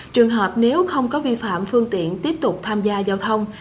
trường hợp nếu không có vi phạm phương tiện tiếp tục tham gia giao thông